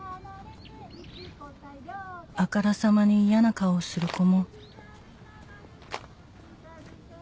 「あからさまに嫌な顔する子も」